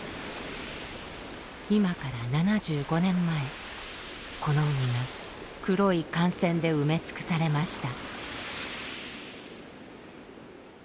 今から７５年前この海が黒い艦船で埋め尽くされました。